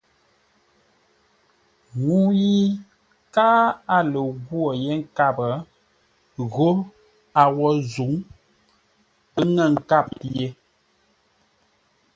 Ŋuu yi káa a lə ghwô yé nkâp ghó a wǒ zǔŋ, pə ŋə́ nkâp ye.